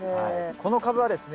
このカブはですね